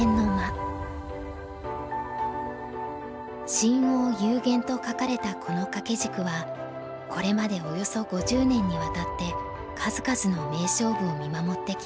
「深奥幽玄」と書かれたこの掛け軸はこれまでおよそ５０年にわたって数々の名勝負を見守ってきました。